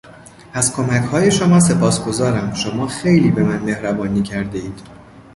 از کمکهای شما سپاسگزارم شما خیلی به من مهربانی کردهاید.